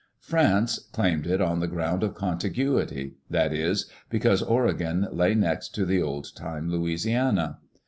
France claimed it on the ground of contiguity; that is, because Oregon lay next to the old time Louisiana.